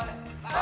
あ！